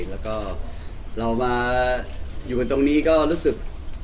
แล้วก็เรามาอยู่กันตรงนี้ก็รู้สึก